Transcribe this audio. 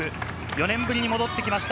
４年ぶりに戻ってきました